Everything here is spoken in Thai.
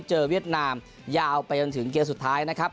เวียดนามยาวไปจนถึงเกมสุดท้ายนะครับ